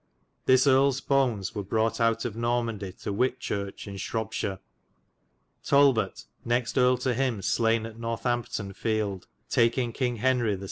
This erles bones were browght out of Normandy to Whitchurche in Shrobbeshire. Talbot next erle to hym slayne at Northampton fild, takynge Kynge Henry the 6.